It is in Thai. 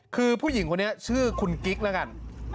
คือผู้หญิงคนนี้ชื่อคุณกิ๊กแล้วกัน